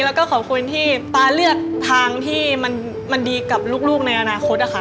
แล้วก็ขอบคุณที่ป๊าเลือกทางที่มันดีกับลูกในอนาคตนะคะ